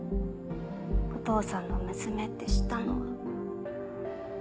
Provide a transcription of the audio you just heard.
お父さんの娘って知ったのは。